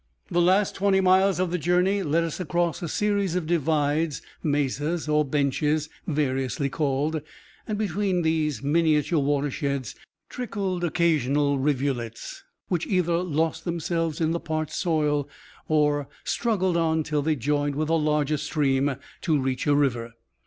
The last twenty miles of the journey led us across a series of divides, mesas or benches, variously called, and between these miniature watersheds trickled occasional rivulets which either lost themselves in the parched soil, or struggled on till they joined with a larger stream to reach a river.